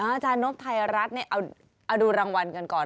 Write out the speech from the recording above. อาจารย์นบไทยรัฐเอาดูรางวัลกันก่อน